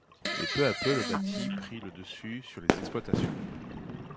Mais peu à peu le bâti prit le dessus sur les exploitations.